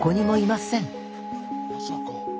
まさか。